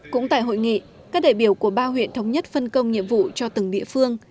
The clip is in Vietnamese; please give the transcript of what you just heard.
cũng tại hội nghị các đại biểu của ba huyện thống nhất phân công nhiệm vụ cho từng địa phương